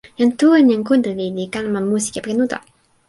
jan Tu en jan Kuntuli li kalama musi kepeken uta.